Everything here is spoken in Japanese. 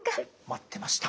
待ってました。